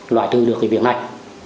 loại thư được cái việc này